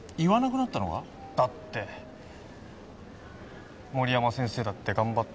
だって森山先生だって頑張ったし。